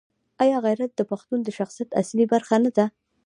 آیا غیرت د پښتون د شخصیت اصلي برخه نه ده؟